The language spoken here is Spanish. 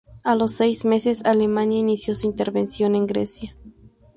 A los seis meses, Alemania inició su intervención en Grecia.